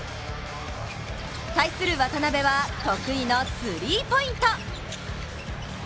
対する渡邊は、得意のスリーポイント。